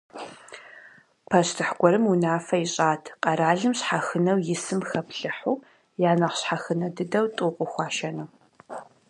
Пащтыхь гуэрым унафэ ищӏат: къэралым щхьэхынэу исым хэплъыхьу я нэхъ щхьэхынэ дыдэу тӏу къыхуашэну.